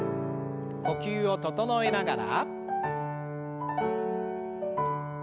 呼吸を整えながら。